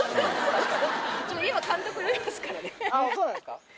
そうなんですか。